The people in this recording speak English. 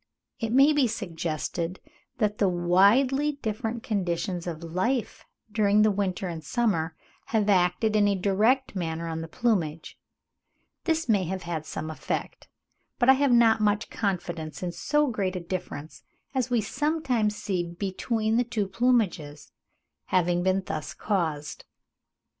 It may be suggested that the widely different conditions of life during the winter and summer have acted in a direct manner on the plumage; this may have had some effect, but I have not much confidence in so great a difference as we sometimes see between the two plumages, having been thus caused.